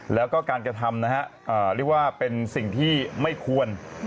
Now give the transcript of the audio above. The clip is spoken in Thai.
แล้วก็การกระทำนะฮะเรียกว่าเป็นสิ่งที่ไม่ควร